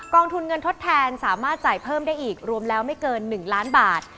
องทุนเงินทดแทนสามารถจ่ายเพิ่มได้อีกรวมแล้วไม่เกิน๑ล้านบาท